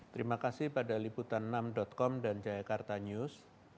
terima kasih pada liputanam com dan jayakarta news